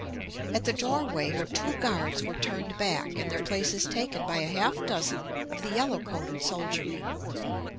At the doorway her two guards were turned back and their places taken by a half dozen of the yellow coated soldiery.